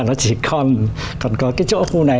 nó chỉ còn cái chỗ khu này